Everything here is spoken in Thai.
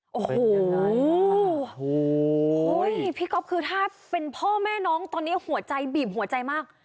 โอ้โหพี่ก๊อฟคือถ้าเป็นพ่อแม่น้องตอนนี้หัวใจบีบหัวใจมาก